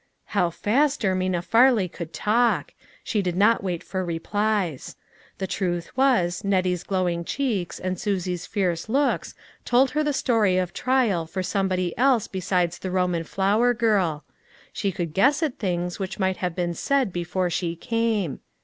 How fast Ermina Farley could talk! She did not wait for replies. The truth was, Net tie's glowing cheeks, and Susie's fierce looks, THE FLOWER PARTY. 313 told her the story of trial for somebody else besides the Roman flower girl ; she could guess at things which might have been said before she came.